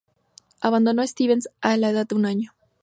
Abandonó a Stevens a la edad de un año.